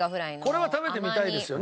これは食べてみたいですよね